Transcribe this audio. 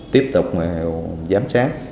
tiếp tục giám sát